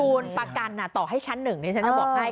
คุณประกันต่อให้ชั้น๑นี่ฉันจะบอกให้